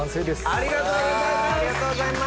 ありがとうございます。